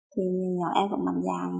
thì nhỏ em vẫn mạnh dạng